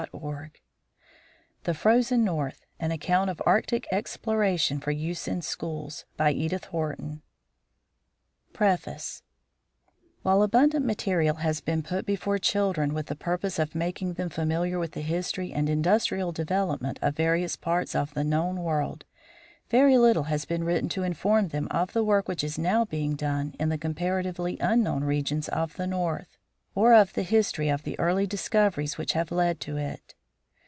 PUBLISHERS BOSTON NEW YORK CHICAGO y *y Copyright 1904 and 191 i By D. C. Heath & Company #/ ©CI.A30309 2 I PREFACE While abundant material has been put before children with the purpose of making them familiar with the history and industrial development of various parts of the known world, very little has been written to inform them of the work which is now being done in the comparatively un known regions of the north, or of the history of the early discoveries which have led to it.